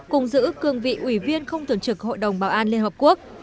cùng giữ cương vị ủy viên không tưởng trực hội đồng bảo an liên hợp quốc